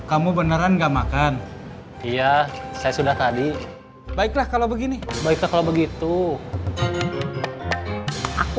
kamu beneran gak makan iya saya sudah tadi baiklah kalau begini baiklah kalau begitu aku